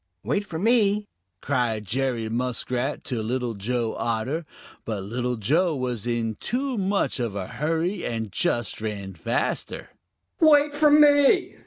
"Wait for me!" cried Jerry Muskrat to Little Joe Otter, but Little Joe was in too much of a hurry and just ran faster. "Wait for me!"